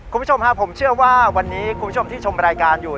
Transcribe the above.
คุณผู้ชมฮะผมเชื่อว่าวันนี้คุณผู้ชมที่ชมรายการอยู่